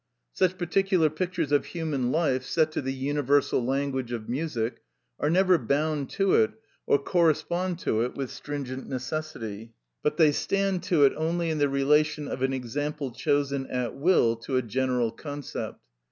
Such particular pictures of human life, set to the universal language of music, are never bound to it or correspond to it with stringent necessity; but they stand to it only in the relation of an example chosen at will to a general concept.